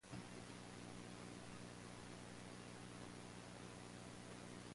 The podium projects at its lower extremity.